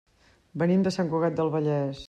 Venim de Sant Cugat del Vallès.